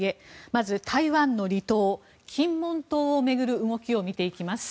まず、台湾の離島金門島を巡る動きを見ていきます。